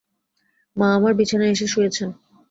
মা আমার বিছানায় এসে শুয়েছেন।